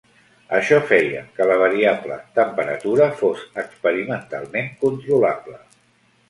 Això feia que la variable "temperatura" fos experimentalment controlable.